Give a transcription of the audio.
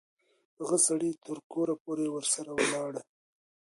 هغه سړی تر کوره پوري ورسره ولاړی.